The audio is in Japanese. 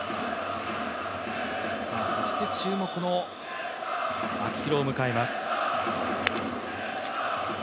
そして注目の秋広を迎えます。